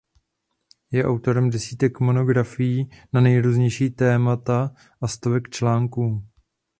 Je autorem desítek monografií na nejrůznější témata a stovek článků.